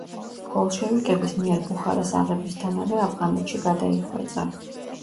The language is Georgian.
ბოლშევიკების მიერ ბუხარას აღებისთანავე ავღანეთში გადაიხვეწა.